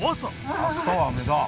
明日は雨だ。